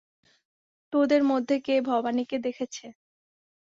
তোদের মধ্যে কে ভবানীকে দেখেছে?